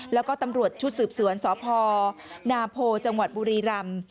แล้วก็ตำรวจชุดสืบสวนสพนาโพจังหวัดบุรีรำ